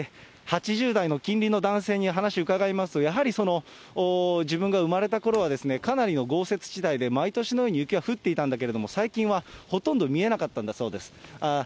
８０代の近隣の男性に話を伺いますと、やはり自分が生まれたころはかなりの豪雪地帯で毎年のように雪が降っていたんだけれども、最近はほとんど見えなかったんだそうです。